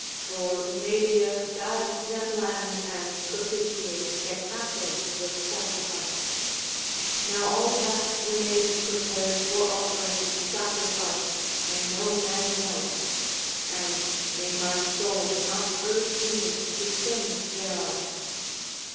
For Medea bade them land and propitiate Hecate with sacrifice. Now all that the maiden prepared for offering the sacrifice may no man know, and may my soul not urge me to sing thereof.